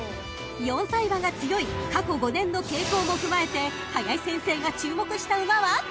［４歳馬が強い過去５年の傾向も踏まえて林先生が注目した馬は？］